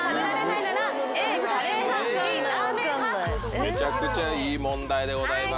めちゃくちゃいい問題でございます。